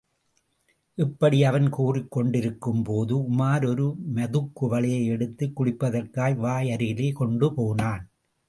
இப்படி அவன் கூறிக் கொண்டிருக்கும்போதே உமார் ஒரு மதுக்குவளையை எடுத்துக் குடிப்பதற்காக வாய் அருகிலே கொண்டு போனான்.